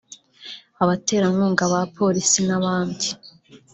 abaterankunga ba Polisi n’abandi